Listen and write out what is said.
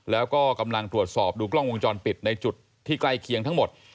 แล้วก็กำลังตรวจสอบดูกล้องวงจรปิดในจุดที่ใกล้เคียงทั้งหมด